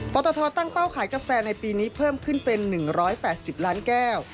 ตทตั้งเป้าขายกาแฟในปีนี้เพิ่มขึ้นเป็น๑๘๐ล้านแก้ว